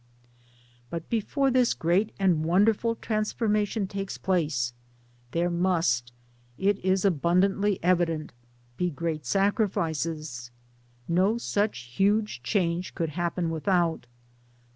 But before this great and wonderful Transfor mation takes place, there must it is abundantly evident be great sacrifices. No such huge change could happen without.